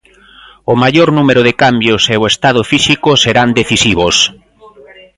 O maior número de cambios e o estado físico serán decisivos.